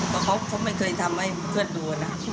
เขาไม่เคยทำให้เพื่อนดูอะนะ